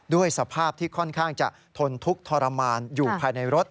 ด้วยสภาพที่ค่อนข้างจะทนทุกข์ทรมานอยู่ภายในรถ